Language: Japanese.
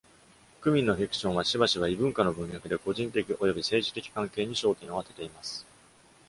クミンのフィクションは、しばしば、異文化の文脈で、個人的および政治的関係に焦点を当てています。